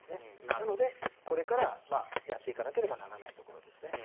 なので、これからやっていかなければならないところですね。